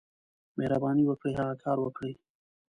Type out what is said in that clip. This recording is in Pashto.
مهرباني وکړئ، هغه کار وکړئ.